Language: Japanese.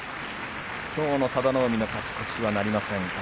きょうの佐田の海の勝ち越しはなりません。